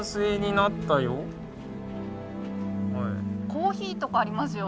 コーヒーとかありますよ